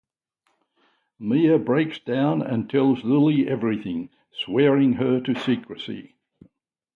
Mia breaks down and tells Lilly everything, swearing her to secrecy.